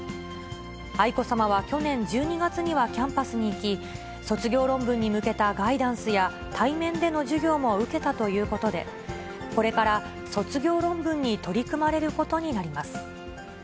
愛子さまは去年１２月にはキャンパスに行き、卒業論文に向けたガイダンスや、対面での授業も受けたということで、これから卒業論文に取り組まれることになります。